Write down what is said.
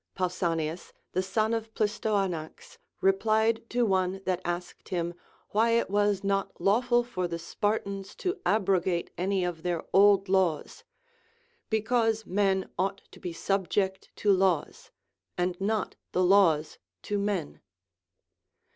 Pausanias the son of Plistoanax replied to one that asked him why it was not lawful for the Spartans to abro gate any of their old laws. Because men ought to be sub ject to laws, and not the laws to men.